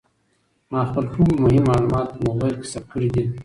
ما خپل ټول مهم معلومات په موبایل کې ثبت کړي دي.